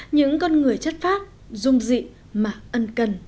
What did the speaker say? những con người chất phát dung dị mà ân cân